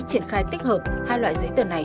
triển khai tích hợp hai loại giấy tờ này